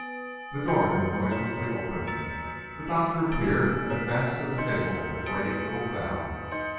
The door had been noiselessly opened. The doctor appeared and advanced to the table with a grave little bow.